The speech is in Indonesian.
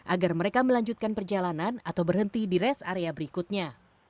agar mereka melanjutkan perjalanan atau berhenti di rest area berikutnya